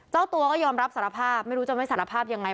เจ้าตัวก็ยอมรับสารภาพไม่รู้จะไม่สารภาพยังไง